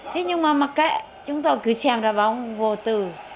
thế nhưng mà mà kể chúng tôi cứ chèm ra bóng vô tử